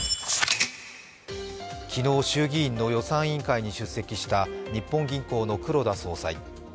昨日、衆議院の予算委員会に出席した、日本銀行の黒田総裁。